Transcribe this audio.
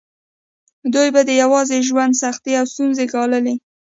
دوی به د یوازې ژوند سختې او ستونزې ګاللې.